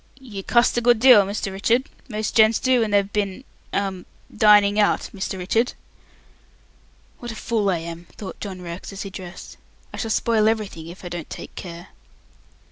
"You cussed a good deal, Mr. Richard. Most gents do when they've bin hum dining out, Mr. Richard." "What a fool I am," thought John Rex, as he dressed. "I shall spoil everything if I don't take care."